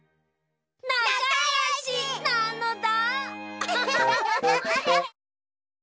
なかよし！なのだ。